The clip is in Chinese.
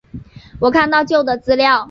我看到旧的资料